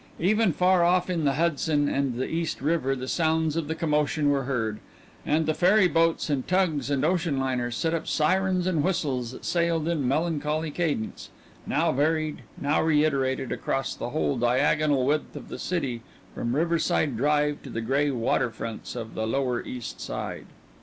Even far off in the Hudson and the East River the sounds of the commotion were heard, and the ferry boats and tugs and ocean liners set up sirens and whistles that sailed in melancholy cadence, now varied, now reiterated, across the whole diagonal width of the city from Riverside Drive to the gray water fronts of the lower East Side....